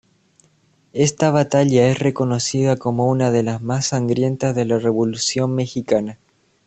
Esta batalla es reconocida como una de las más sangrientas de la Revolución Mexicana.